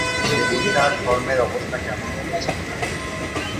সে দিন তার ধর্মের অবস্থা কেমন হবে?